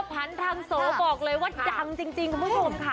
ผันทางสองบอกเลยว่าจังจริงครับคุณผู้สอบค่ะ